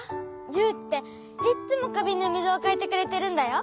ユウっていっつもかびんのみずをかえてくれてるんだよ。